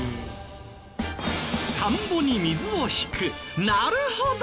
田んぼに水を引くなるほど！